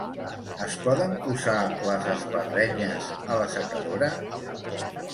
Es poden posar les espardenyes a l'assecadora?